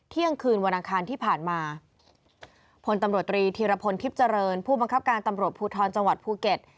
เที่ยงคืนวันอังคารที่ผ่านมาพลตำรวจตรีธีรพลทิพย์เจริญผู้บังคับการตำรวจภูทรจังหวัดภูเก็ต